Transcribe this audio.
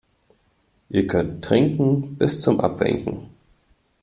Ihr könnt trinken bis zum Abwinken.